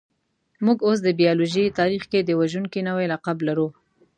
موږ اوس د بایولوژۍ تاریخ کې د وژونکي نوعې لقب لرو.